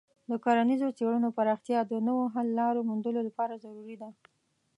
د کرنیزو څیړنو پراختیا د نویو حل لارو موندلو لپاره ضروري ده.